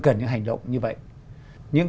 cần những hành động như vậy những